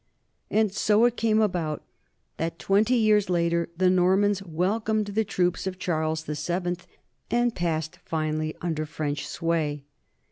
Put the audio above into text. And so it came about that twenty years later the Normans welcomed the troops of Charles VII and passed finally under French sway.